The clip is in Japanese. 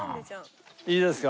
いいですか？